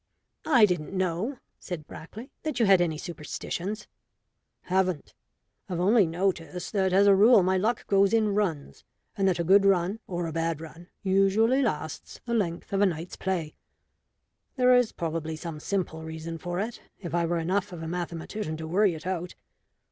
"I didn't know," said Brackley, "that you had any superstitions." "Haven't. I've only noticed that, as a rule, my luck goes in runs, and that a good run or a bad run usually lasts the length of a night's play. There is probably some simple reason for it, if I were enough of a mathematician to worry it out.